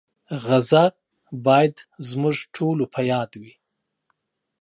غزه باید زموږ ټولو په یاد وي.